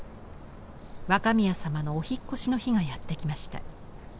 若宮様のお引っ越しの日がやって来ました。